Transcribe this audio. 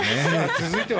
続いては？